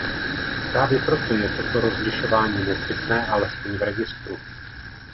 Právě proto je toto rozlišování nezbytné, alespoň v registru.